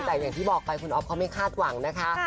แต่อย่างที่บอกไปคุณอ๊อฟเขาไม่คาดหวังนะคะ